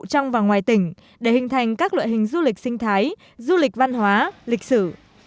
trong và ngoài tỉnh để hình thành các loại hình du lịch sinh thái du lịch văn hóa lịch sử